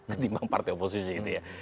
ketimbang partai oposisi gitu ya